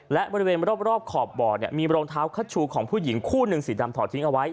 และบริเวณรอบขอบบ่อเนี่ยมีรองเท้าคัชชูของผู้หญิงคู่หนึ่งสีดำถอดทิ้งเอาไว้